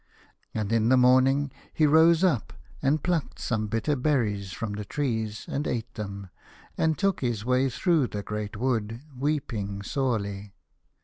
And in the morning he rose up, and plucked some bitter berries from the trees and ate them, and took his way through the great wood, weeping sorely.